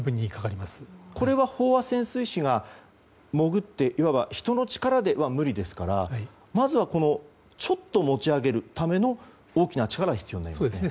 これは飽和潜水士が潜っていわば人の力では無理ですからまずは、このちょっと持ち上げるための大きな力が必要になりますね。